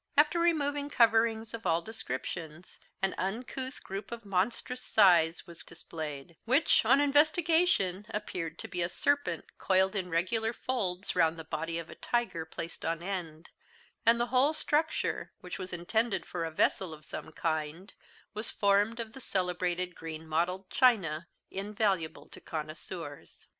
After removing coverings of all descriptions, an uncouth group of monstrous size was displayed, which, on investigation, appeared to be a serpent coiled in regular folds round the body of a tiger placed on end; and the whole structure, which was intended for a vessel of some kind, was formed of the celebrated green mottled china, invaluable to connoisseurs.